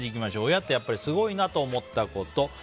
親ってやっぱりすごいなと思ったこと。